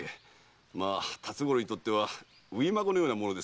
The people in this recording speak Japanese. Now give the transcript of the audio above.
辰五郎にとっては初孫のようなものですからな。